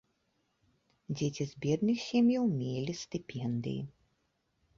Дзеці з бедных сем'яў мелі стыпендыі.